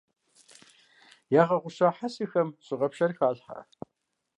Ягъэгъуща хьэсэхэм щӀыгъэпшэр халъхьэ.